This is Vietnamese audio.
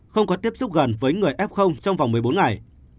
không có tiếp xúc gần với người f trong vòng một mươi bốn ngày